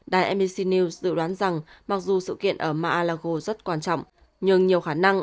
đài nbc news dự đoán rằng mặc dù sự kiện ở mar a lago rất quan trọng nhưng nhiều khả năng